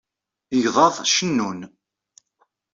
Igḍaḍ cennun.